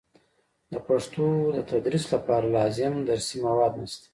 د پښتو د تدریس لپاره لازم درسي مواد نشته.